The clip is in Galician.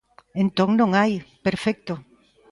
Entón non hai, perfecto.